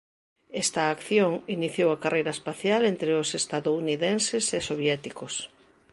Esta acción iniciou a carreira espacial entre os estadounidenses e soviéticos.